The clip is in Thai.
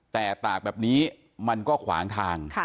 แต่ตากแบบนี้มันก็ขวางทาง